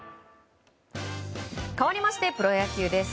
かわりましてプロ野球です。